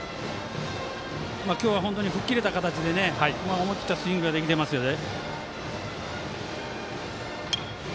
今日は吹っ切れた形で思い切ったスイングができていますね。